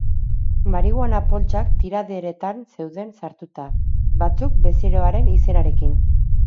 Marihuana poltsak tiraderetan zeuden sartuta, batzuk bezeroaren izenarekin.